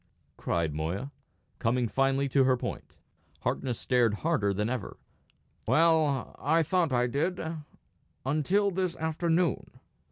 cried Moya, coming finely to her point. Harkness stared harder than ever. "Well, I thought I did until this afternoon."